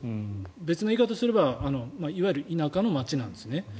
別の言い方をすればいわゆる田舎の町なんですね。